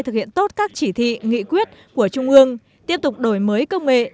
thực hiện tốt các chỉ thị nghị quyết của trung ương tiếp tục đổi mới công nghệ